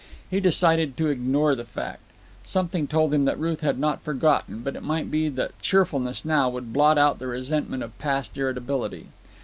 He decided to ignore the fact. Something told him that Ruth had not forgotten, but it might be that cheerfulness now would blot out the resentment of past irritability.